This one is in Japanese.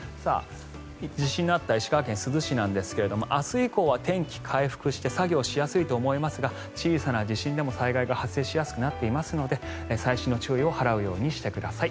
地震のあった石川県珠洲市ですが明日以降は天気回復して作業しやすいと思いますが小さな地震でも、災害が発生しやすくなっていますので細心の注意を払うようにしてください。